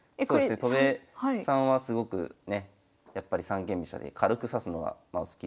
戸辺さんはすごくね三間飛車で軽く指すのがお好きで。